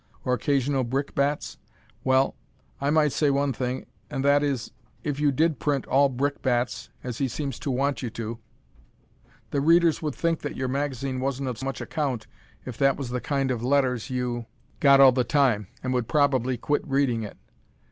or occasional brickbats? Well, I might say one thing, and that is: if you did print all brickbats, as he seems to want you to, the Readers would think that your magazine wasn't of much account if that was the kind of letters you got all the time, and would probably quit reading it.